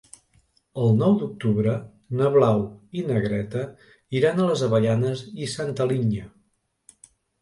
El nou d'octubre na Blau i na Greta iran a les Avellanes i Santa Linya.